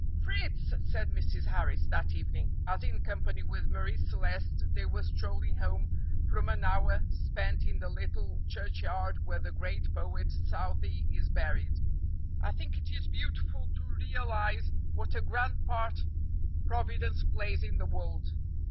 "Fritz," said Mrs. Harris that evening, as in company with Marie Celeste they were strolling home from an hour spent in the little churchyard where the great poet Southey is buried, "I think it is beautiful to realize what a grand part Providence plays in the world."